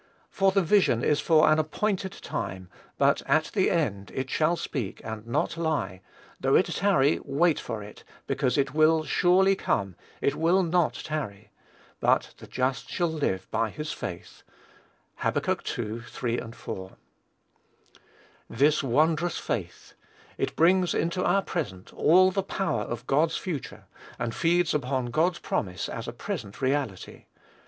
"For the vision is for an appointed time, but at the end it shall speak, and not lie; though it tarry, wait for it; because it will surely come, it will not tarry ... but the just shall live by his faith." (Hab. ii. 3, 4.) This wondrous faith! It brings into our present all the power of God's future, and feeds upon God's promise as a present reality.